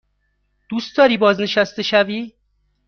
دوست داری بازنشسته شوی؟